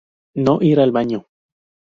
No ir al baño.